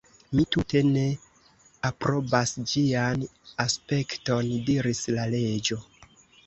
"Mi tute ne aprobas ĝian aspekton," diris la Reĝo.